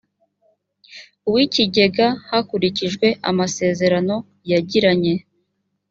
w ikigega hakurikijwe amasezerano yagiranye